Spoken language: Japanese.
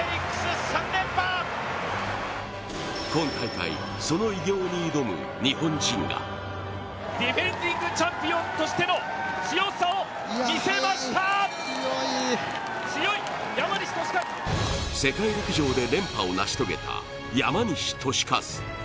今大会、その偉業に挑む日本人が世界陸上で連覇を成し遂げた山西利和。